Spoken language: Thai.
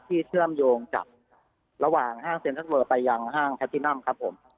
เชื่อมโยงกับระหว่างห้างเซ็นทรัลเวอร์ไปยังห้างแพทินัมครับผม